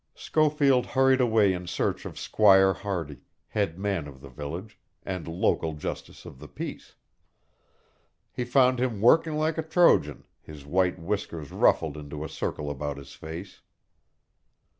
Schofield hurried away in search of Squire Hardy, head man of the village, and local justice of the peace. He found him working like a Trojan, his white whiskers ruffled into a circle about his face.